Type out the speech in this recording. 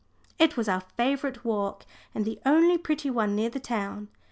It was our favourite walk, and the only pretty one near the town.